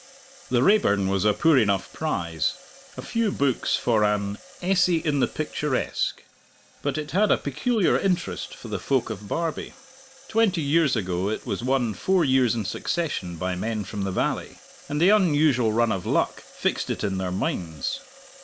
The Raeburn was a poor enough prize a few books for an "essay in the picturesque;" but it had a peculiar interest for the folk of Barbie. Twenty years ago it was won four years in succession by men from the valley; and the unusual run of luck fixed it in their minds.